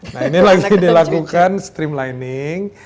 nah ini lagi dilakukan streamlining